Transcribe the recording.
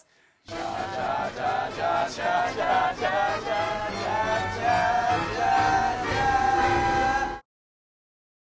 ジャジャジャジャジャジャジャジャジャジャジャ。